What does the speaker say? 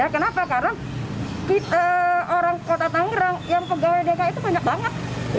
kenapa karena orang kota tangerang yang pegawai dki itu banyak banget